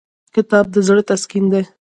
کتاب د زړه تسکین دی.